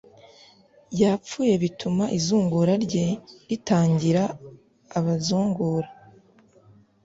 yapfuye bituma izungura rye ritangira Abazungura